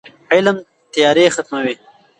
علم تیارې ختموي.